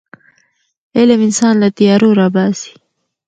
علم انسان له تیارو راباسي.